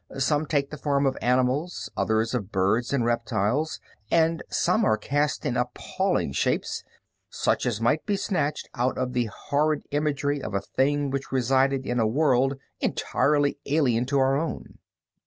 Some take the form of animals, others of birds and reptiles, and some are cast in appalling shapes such as might be snatched out of the horrid imagery of a thing which resided in a world entirely alien to our own."